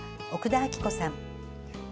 奥田亜希子さん。